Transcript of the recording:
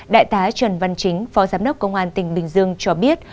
đại tá trần văn chính phó giám đốc công an tỉnh bình dương cho biết